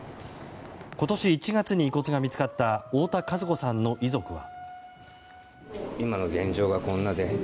今年１月に遺骨が見つかった太田和子さんの遺族は。